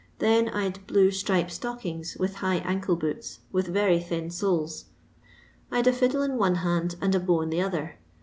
Then I 'd blue stripe stockings and high ancle boots with very thin soles. I 'd a fiddle in one hand and a bow in the other.